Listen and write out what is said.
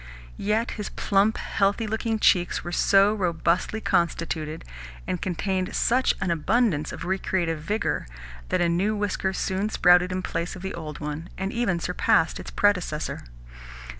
Yet his plump, healthy looking cheeks were so robustly constituted, and contained such an abundance of recreative vigour, that a new whisker soon sprouted in place of the old one, and even surpassed its predecessor.